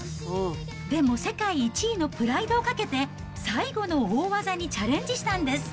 でも世界１位のプライドをかけて、最後の大技にチャレンジしたんです。